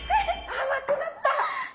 甘くなった！